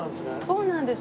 そうなんです。